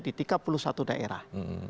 di tiga puluh satu daerah